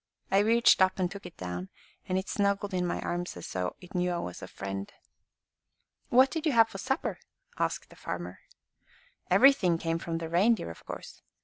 I reached up and took it down, and it snuggled in my arms as though it knew I was a friend." "What did you have for supper?" asked the farmer. "Everything came from the reindeer, of course.